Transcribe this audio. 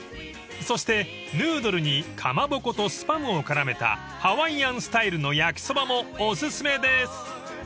［そしてヌードルにかまぼことスパムをからめたハワイアンスタイルの焼きそばもお薦めです］